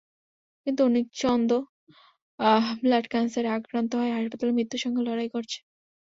কিন্তু অনিক চন্দ্র ব্লাড ক্যানসারে আক্রান্ত হয়ে হাসপাতালে মৃত্যুর সঙ্গে লড়াই করছে।